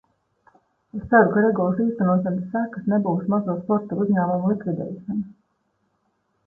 Es ceru, ka regulas īstenošanas sekas nebūs mazo sporta uzņēmumu likvidēšana.